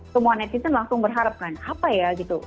semua netizen langsung berharap kan apa ya gitu